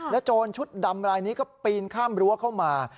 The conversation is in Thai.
โจรชุดดำรายนี้ก็ปีนข้ามรั้วเข้ามา